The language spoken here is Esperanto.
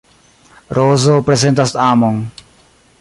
Rozo prezentas amon.